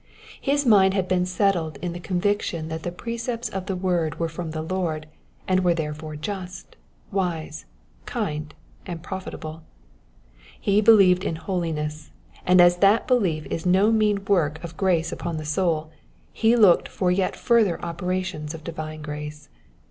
His mind had been settled in the conviction that the precepts of the word were from the Lord, and were therefore just, wise, kind, and profitable ; he believed in holiness, and as that belief is no mean work of grace upon the soul, he looked for yet further operations of divine grace.